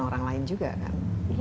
orang lain juga kan